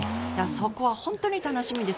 そこは本当に楽しみです。